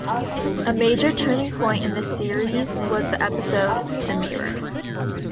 A major turning point in the series was the episode "The Mirror".